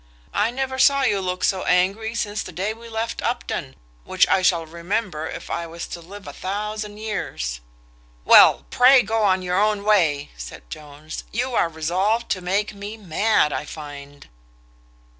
I never saw you look so angry since the day we left Upton, which I shall remember if I was to live a thousand years." "Well, pray go on your own way," said Jones: "you are resolved to make me mad I find."